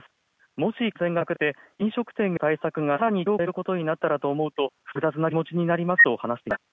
もし感染が拡大して飲食店への対策がさらに強化されることになったらと思うと複雑な気持ちになりますと話していました。